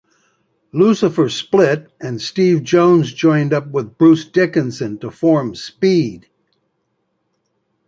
Lucifer split and Steve Jones joined up with Bruce Dickinson to form Speed.